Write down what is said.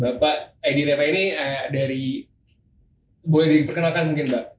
bapak edi reva ini dari boleh diperkenalkan mungkin mbak